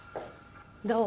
どう？